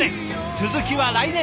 続きは来年。